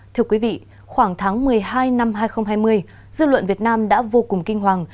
thưa quý vị khoảng tháng một mươi hai năm hai nghìn hai mươi dư luận việt nam đã vô cùng kinh hoàng